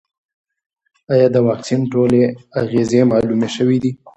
ایا د واکسین ټولې اغېزې معلومې شوې دي؟